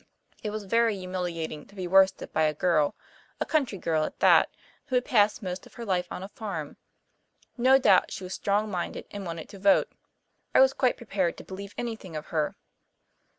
It was very humiliating to be worsted by a girl a country girl at that, who had passed most of her life on a farm! No doubt she was strong minded and wanted to vote. I was quite prepared to believe anything of her.